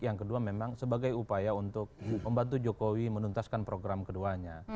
yang kedua memang sebagai upaya untuk membantu jokowi menuntaskan program keduanya